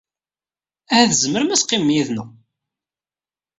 Ahat tzemrem ad teqqimem yid-neɣ.